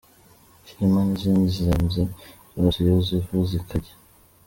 Cyilima n’izindi zenze zose iyo ziva zikajya